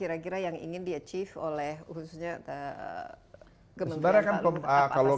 harus jadi contoh yang baik ya